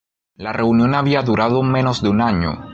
La reunión había durado menos de un año.